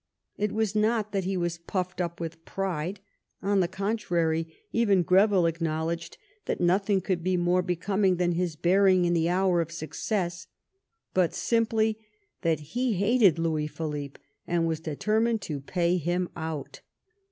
It was not that he was pufifed up with pride, on the contrary, even Greville acknowledges that nothing could be more becoming than his bearing in the hour of success ; but simply that he hated Louis Philippe, and was determined to pay him out.